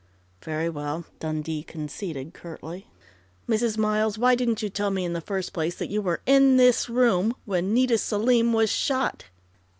"Very well!" Dundee conceded curtly. "Mrs. Miles, why didn't you tell me in the first place that you were in this room when Nita Selim was shot?"